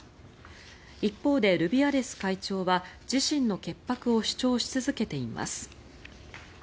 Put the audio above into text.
一方で、ルビアレス会長は自身の潔白を主張し続けています。